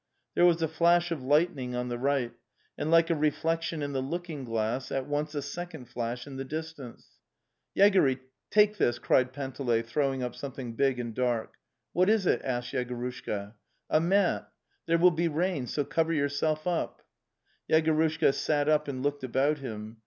There was a flash of lightning on the right, and, like a reflection in the looking glass, at once a second flash in the distance. i Vegory. take this, something big and dark. "What is it?'' asked Yegorushka. '""A mat. There will be rain, so cover yourself Yegorushka sat up and looked about him.